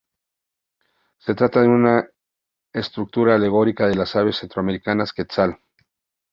Se trata de una escultura alegórica de las aves centroamericanas Quetzal.